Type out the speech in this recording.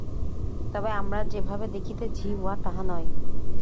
তবে আমরা যেভাবে দেখিতেছি, উহা তাহা নয়।